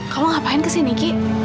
kamu ngapain kesini ki